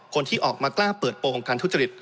คนที่ออกมากล้าเปิดโปรของการทุจริต